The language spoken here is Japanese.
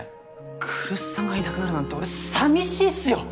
来栖さんがいなくなるなんて俺寂しいっすよ。